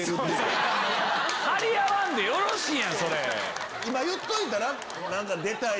張り合わんでよろしいやん！